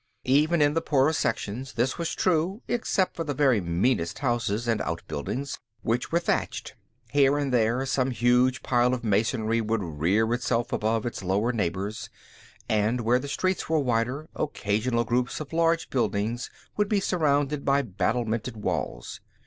Even in the poorer sections, this was true except for the very meanest houses and out buildings, which were thatched. Here and there, some huge pile of masonry would rear itself above its lower neighbors, and, where the streets were wider, occasional groups of large buildings would be surrounded by battlemented walls.